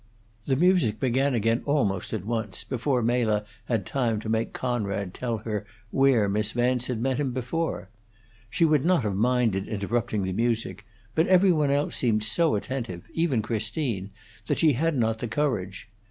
The music began again almost at once, before Mela had time to make Conrad tell her where Miss Vance had met him before. She would not have minded interrupting the music; but every one else seemed so attentive, even Christine, that she had not the courage.